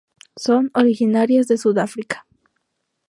Son originarias de Sudáfrica.